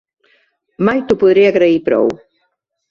Mai t'ho podré agrair prou.